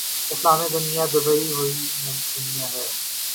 اسلامی دنیا دبی ہوئی دنیا ہے۔